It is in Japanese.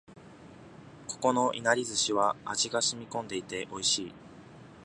ここのいなり寿司は味が染み込んで美味しい